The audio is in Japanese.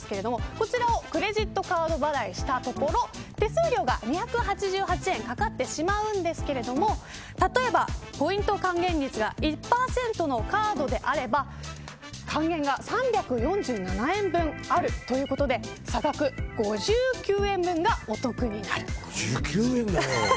こちらをクレジットカード払いしたところ手数料が２８８円かかってしまうんですけれども例えばポイント還元率が１％のカードであれば還元が３４７円分あるということで５９円だよ。